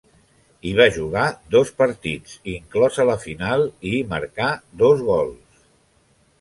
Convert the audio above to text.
Hi va jugar dos partits, inclosa la final, i hi marcà dos gols.